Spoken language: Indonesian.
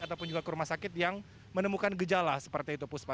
ataupun juga ke rumah sakit yang menemukan gejala seperti itu puspa